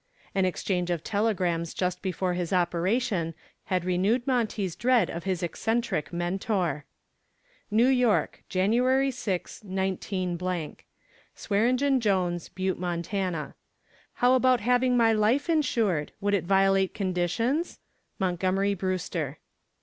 An exchange of telegrams just before his operation had renewed Monty's dread of his eccentric mentor. NEW YORK, Jan. 6, 19 SWEARENGEN JONES, Butte, Mont. How about having my life insured? Would it violate conditions? MONTGOMERY BREWSTER.